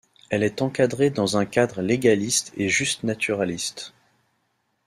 Elle est encadrée dans un cadre légaliste et jusnaturaliste.